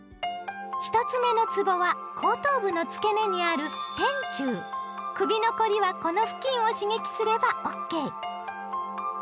１つ目のつぼは後頭部の付け根にある首の凝りはこの付近を刺激すればＯＫ！